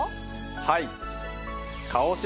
はい。